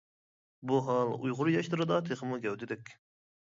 بۇ ھال ئۇيغۇر ياشلىرىدا تېخىمۇ گەۋدىلىك.